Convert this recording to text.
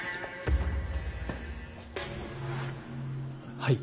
はい。